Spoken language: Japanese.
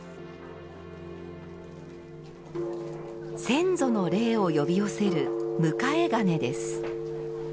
先祖の霊を呼び寄せる「迎え鐘」です。